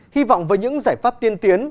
hy vọng với những giải pháp tiên tiến